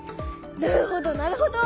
なるほどなるほど。